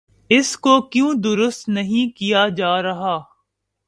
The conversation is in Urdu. اس کو کیوں درست نہیں کیا جا رہا؟